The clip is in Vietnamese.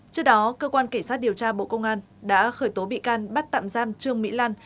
trước đó cơ quan kể sát điều tra bộ công an đã khởi tố bị can bắt tạm giam trương mỹ lan